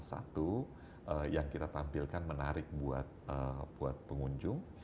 satu yang kita tampilkan menarik buat pengunjung